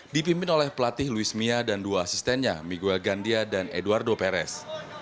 dipimpin oleh pelatih luis mia dan dua asistennya miguel gandia dan edwardo perez